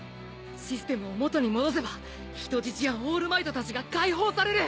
システムを元に戻せば人質やオールマイトたちが解放される。